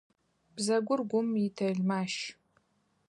Бзэгур гум итэлмащ.